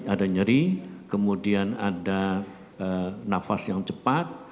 ada nyeri kemudian ada nafas yang cepat